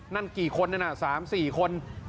นั่นกี่คนนั่นน่ะ๓๔คน